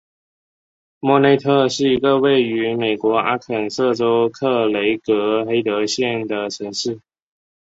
莫内特是一个位于美国阿肯色州克雷格黑德县的城市。